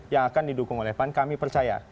yang akan didukung oleh pan kami percaya